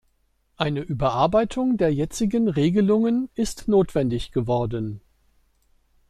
Eine Überarbeitung der jetzigen Regelungen ist notwendig geworden.